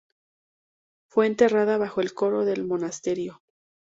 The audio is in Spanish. Fue enterrada bajo el coro del monasterio.